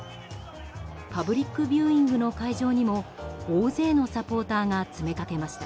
パブリックビューイングの会場にも大勢のサポーターが詰めかけました。